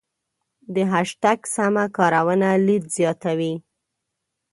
د هشتګ سمه کارونه لید زیاتوي.